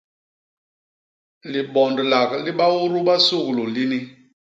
Libondlak li baudu ba suglu lini.